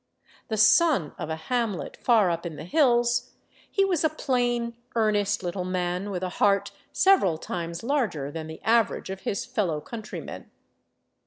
The " son " of a hamlet far up in the hills, he was a plain, earnest, little man with a heart several times larger than the average of his fellow countrymen.